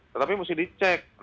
tetapi mesti dicek